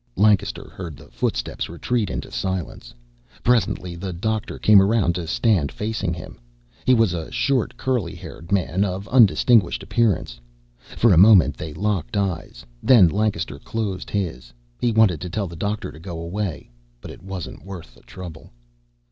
Lancaster heard the footsteps retreat into silence. Presently the doctor came around to stand facing him. He was a short, curly haired man of undistinguished appearance. For a moment they locked eyes, then Lancaster closed his. He wanted to tell the doctor to go away, but it wasn't worth the trouble.